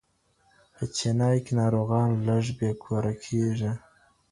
په چېنای کې ناروغان لږ بېکوره کېږي.